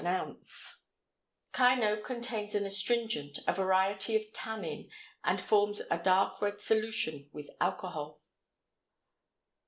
Kino contains an astringent, a variety of tannin, and forms a dark red solution with alcohol.